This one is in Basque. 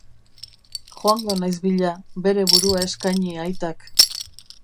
Joango naiz bila, bere burua eskaini aitak.